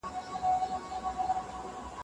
د نړېدو او پرمختګ ترمنځ اړیکه باید واضح سي.